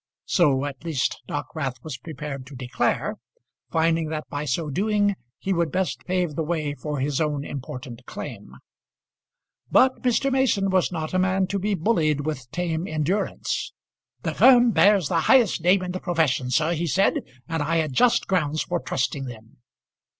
So at least Dockwrath was prepared to declare, finding that by so doing he would best pave the way for his own important claim. But Mr. Mason was not a man to be bullied with tame endurance. "The firm bears the highest name in the profession, sir," he said; "and I had just grounds for trusting them."